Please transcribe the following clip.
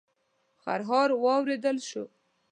خرهاری واورېدل شو.